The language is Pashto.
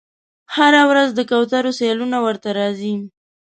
هره ورځ د کوترو سیلونه ورته راځي